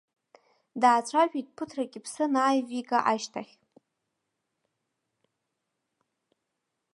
Даацәажәеит ԥыҭрак иԥсы анааивига ашьҭахь.